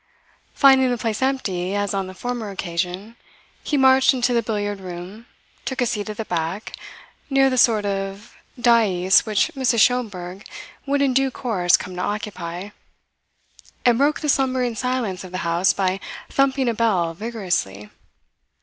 Finding the place empty as on the former occasion, he marched into the billiard room, took a seat at the back, near the sort of dais which Mrs. Schomberg would in due course come to occupy, and broke the slumbering silence of the house by thumping a bell vigorously.